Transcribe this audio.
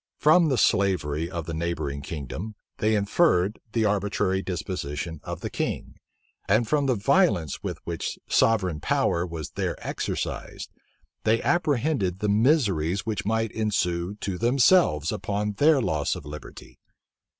From the slavery of the neighboring kingdom, they inferred the arbitrary disposition of the king; and from the violence with which sovereign power was there exercised, they apprehended the miseries which might ensue to themselves upon their loss of liberty.